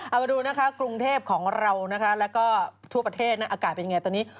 เอามาดูนะคะกรุงเทพของเรานะคะแล้วก็ทั่วประเทศอากาศเป็นยังไงตอนนี้